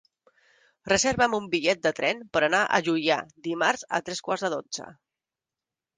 Reserva'm un bitllet de tren per anar a Juià dimarts a tres quarts de dotze.